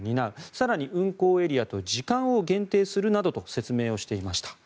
更に、運行エリアと時間を限定するなどと説明をしていました。